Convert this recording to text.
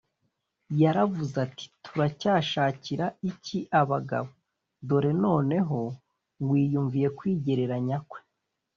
yaravuze ati, “turacyashakira iki abagabo? dore noneho mwiyumviye kwigereranya kwe